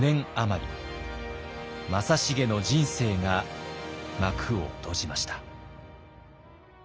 正成の人生が幕を閉じました。